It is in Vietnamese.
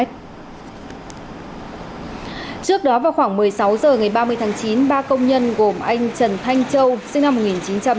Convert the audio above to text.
trước đó vào khoảng một mươi sáu h ngày ba mươi chín ba công nhân gồm anh trần thanh châu sinh năm một nghìn chín trăm chín mươi ba